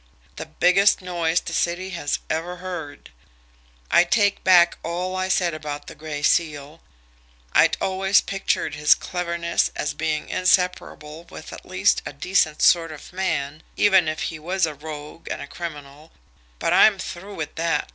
"The biggest noise the city has ever heard. I take back all I said about the Gray Seal. I'd always pictured his cleverness as being inseparable with at least a decent sort of man, even if he was a rogue and a criminal, but I'm through with that.